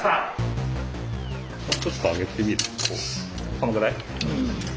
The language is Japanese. このぐらい？